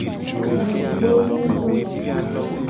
Nugbovi ga.